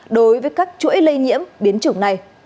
đối với các chuỗi lây nhiễm biến chủng này